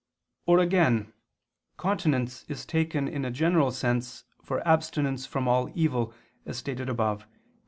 "]. Or again continence is taken in a general sense for abstinence from all evil, as stated above (Q.